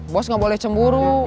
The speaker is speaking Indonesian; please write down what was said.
bos gak boleh cemburu